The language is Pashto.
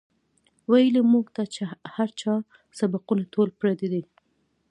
وئیلـي مونږ ته هـر چا سبقــونه ټول پردي دي